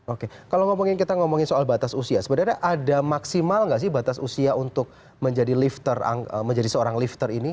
oke kalau ngomongin kita ngomongin soal batas usia sebenarnya ada maksimal nggak sih batas usia untuk menjadi lifter menjadi seorang lifter ini